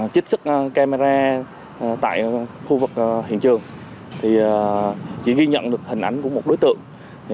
trích sức camera tại khu vực hiện trường thì chỉ ghi nhận được hình ảnh của một đối tượng